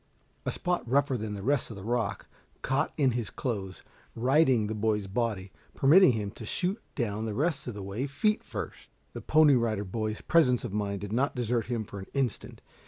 A spot rougher than the rest of the rock, caught in his clothes, righting the boy's body, permitting him to shoot down the rest of the way, feet first. The Pony Rider Boy's presence of mind did not desert him for an instant.